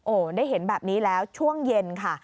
โอ้โหได้เห็นแบบนี้แล้วช่วงเย็นค่ะ